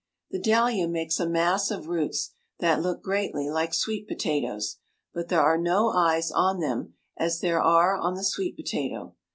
The dahlia makes a mass of roots that look greatly like sweet potatoes, but there are no eyes on them as there are on the sweet potato.